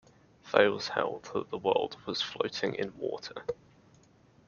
Thales held that the world was floating in water.